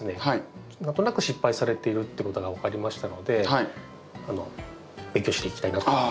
何となく失敗されているっていうことが分かりましたので勉強していきたいなと思います。